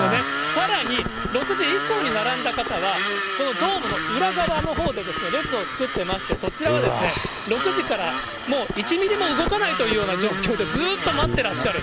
さらに６時以降に並んだ方は、このドームの裏側のほうでですね、列を作ってまして、そちらは６時からもう１ミリも動かないというような状況でずっと待ってらっしゃる。